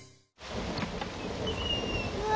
⁉うわ！